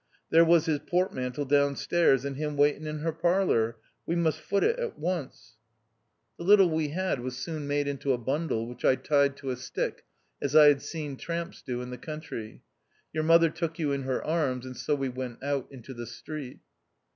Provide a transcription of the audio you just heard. There was his portmantle down stairs, and him waiting in her parlour. We must foot it at once." 192 THE OUTCAST. The little we had was soon made into a bundle, which I tied to a stick, as I had seen tramps do in the country. Your mother took you in her arms, and so we went out into the street.